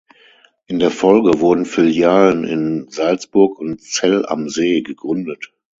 In der Folge wurden Filialen in Salzburg und Zell am See gegründet.